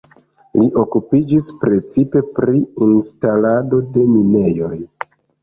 Li okupiĝis precipe pri instalado de minejoj.